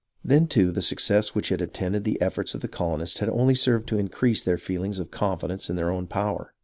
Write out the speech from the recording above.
Then, too, the success which had attended the efforts of the colonists had only served to increase their feeling of confidence in their own power.